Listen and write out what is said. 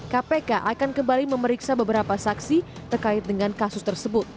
kpk akan kembali memeriksa beberapa saksi terkait dengan kasus tersebut